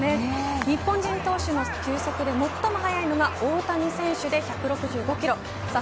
日本人投手で最も早いのは大谷選手で１６５キロです。